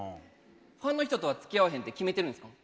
ファンの人とはつきあわへんって決めてるんですか？